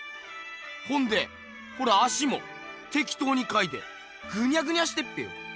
ほんでこの足もてきとうにかいてぐにゃぐにゃしてっぺよ。